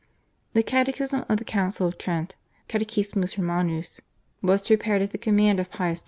The Catechism of the Council of Trent (/Catechismus Romanus/) was prepared at the command of Pius V.